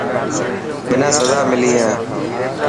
منا سزا ملي هي.